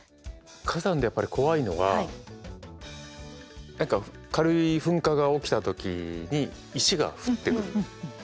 火山でやっぱり怖いのは何か軽い噴火が起きた時に石が降ってくる。